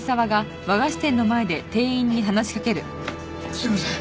すいません。